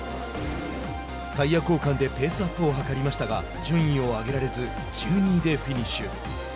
タイヤ交換でペースアップを図りましたが順位を上げられず１２位でフィニッシュ。